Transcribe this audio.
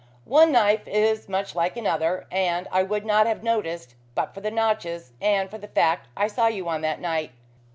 One knife is much like another, and I would not have noticed but for the notches and for the fact that I saw you on that night.